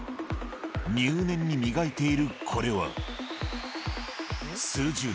入念に磨いているこれは。